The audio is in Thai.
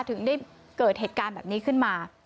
ถึงได้เกิดเหตุการณ์แบบนี้ขึ้นมา